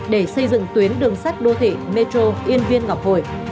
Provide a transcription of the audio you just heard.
để xây dựng tuyến đường sắt đô thị metro yên viên ngọc hồi